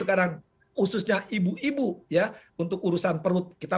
khususnya ibu ibu untuk urusan perut kita